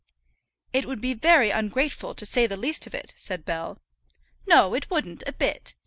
"It would be very ungrateful, to say the least of it," said Bell. "No, it wouldn't, a bit.